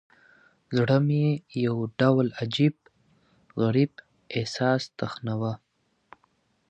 زړه مې يو ډول عجيب، غريب احساس تخنوه.